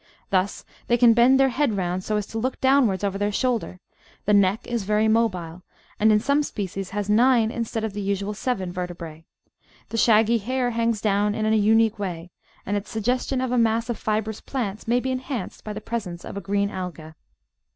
Thus they can bend their head round so as to look downwards over their shoulder ; the neck is very mobile, and in some species has nine instead of the usual seven vertebrae; the shaggy hair hangs down in a imique way, and its suggestion of a mass of fibrous plants may be enhanced by the presence of a green Alga.